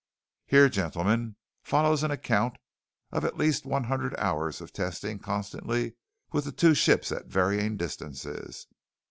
Here, gentlemen, follows an account of at least a hundred hours of testing constantly with the two ships at varying distances.